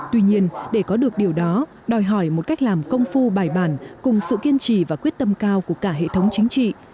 tuy nhiên để có được điều đó đòi hỏi một cách làm công phu bài bản cùng sự kiên trì và quyết tâm cao của cả hệ thống chính trị